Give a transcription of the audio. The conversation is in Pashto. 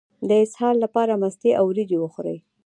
د اسهال لپاره مستې او وریجې وخورئ